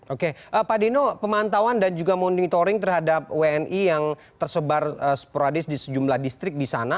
oke pak dino pemantauan dan juga monitoring terhadap wni yang tersebar sporadis di sejumlah distrik di sana